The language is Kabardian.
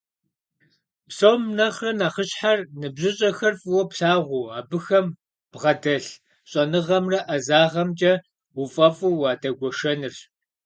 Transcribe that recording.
Псом нэхърэ нэхъыщхьэр ныбжьыщӀэхэр фӀыуэ плъагъуу, абыхэм ббгъэдэлъ щӀэныгъэмрэ ӀэзагъымкӀэ уфӀэфӀу уадэгуэшэнырщ.